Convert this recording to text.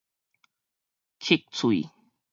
缺喙